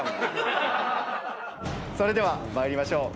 それでは参りましょう。